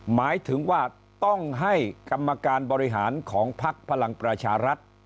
หมายถึงว่าต้องให้กรรมการบริหารของพักพลังประชารัฐ